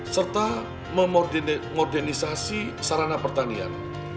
serta memodernisasi sarana pertanian